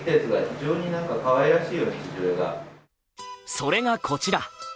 それがこちら。